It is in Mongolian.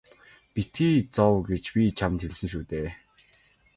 Битгий зов гэж би чамд хэлсэн шүү дээ.